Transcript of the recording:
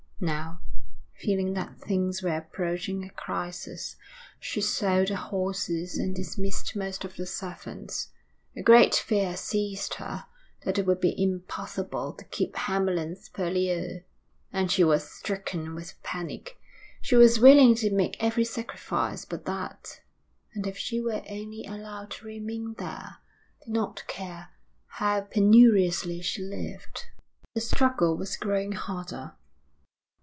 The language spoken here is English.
Now, feeling that things were approaching a crisis, she sold the horses and dismissed most of the servants. A great fear seized her that it would be impossible to keep Hamlyn's Purlieu, and she was stricken with panic. She was willing to make every sacrifice but that, and if she were only allowed to remain there, did not care how penuriously she lived. But the struggle was growing harder.